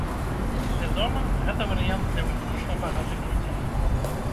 Вядома, гэта варыянт для выключна багатых людзей.